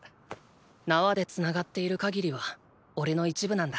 縄で繋がっている限りはおれの一部なんだ。